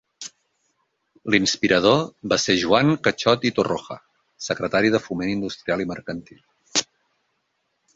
L'inspirador va ser Joan Cachot i Torroja, secretari de Foment Industrial i Mercantil.